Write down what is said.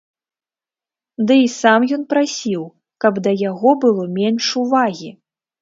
Ды і сам ён прасіў, каб да яго было менш увагі!